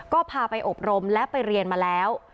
ก็พาไปอบรมและไปเรียนมาแล้ว